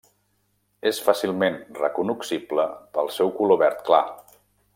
És fàcilment recognoscible pel seu color verd clar.